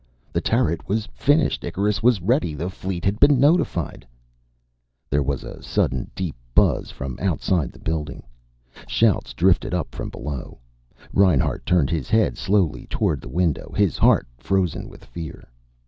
The turret was finished, Icarus was ready, the fleet had been notified There was a sudden deep buzz from outside the building. Shouts drifted up from below. Reinhart turned his head slowly toward the window, his heart frozen with fear.